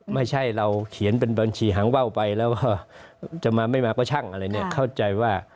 ไม่ใช่เราเขียนเป็นบัญชีหางว่าวไปแล้วว่าจะมาไม่มาก็ช่างอะไรเนี่ยเข้าใจว่า